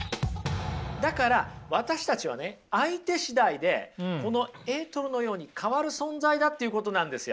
だから私たちはね相手しだいでこのエートルのように変わる存在だということなんですよ。